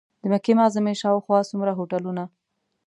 د مکې معظمې شاوخوا څومره هوټلونه.